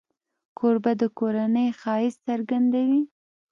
کوربه د کورنۍ ښایست څرګندوي.